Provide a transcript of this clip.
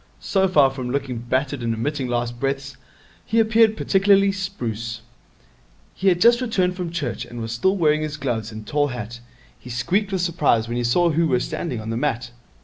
So far from looking battered and emitting last breaths, he appeared particularly spruce. He had just returned from Church, and was still wearing his gloves and tall hat. He squeaked with surprise when he saw who were standing on the mat.